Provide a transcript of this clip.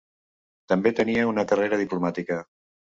També tenia una carrera diplomàtica.